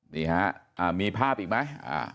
นี่ฮะมีภาพอีกไหม